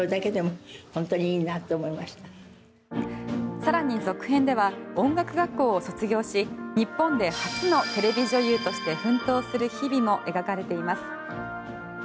更に、続編では音楽学校を卒業し日本で初のテレビ女優として奮闘する日々も描かれています。